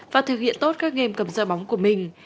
và thực hiện tốt các game cầm giao bóng của mình